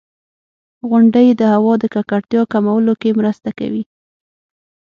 • غونډۍ د هوا د ککړتیا کمولو کې مرسته کوي.